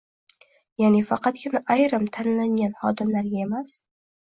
Ya’ni, faqatgina ayrim “tanlangan” xodimlarga emas